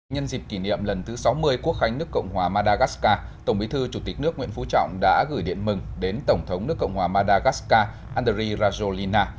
nhân dịp kỷ niệm lần thứ sáu mươi quốc khánh nước cộng hòa madagascar tổng bí thư chủ tịch nước nguyễn phú trọng đã gửi điện mừng đến tổng thống nước cộng hòa madagascar andri rajolina